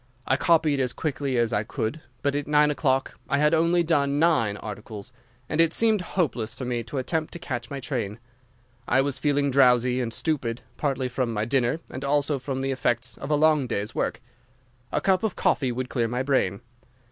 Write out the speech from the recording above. I copied as quickly as I could, but at nine o'clock I had only done nine articles, and it seemed hopeless for me to attempt to catch my train. I was feeling drowsy and stupid, partly from my dinner and also from the effects of a long day's work. A cup of coffee would clear my brain.